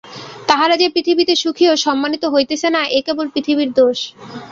তাহারা যে পৃথিবীতে সুখী ও সম্মানিত হইতেছে না, এ কেবল পৃথিবীর দোষ।